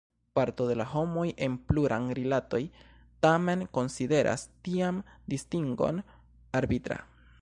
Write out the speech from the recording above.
Parto de la homoj en pluram-rilatoj tamen konsideras tian distingon arbitra.